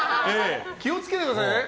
気を付けてくださいね。